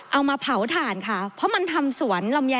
เอามาเผาถ่านค่ะเพราะมันทำสวนลำไย